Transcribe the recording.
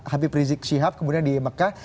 habib rizik syihab kemudian di mekah